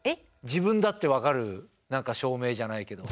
自分だって分かる何か証明じゃないけど。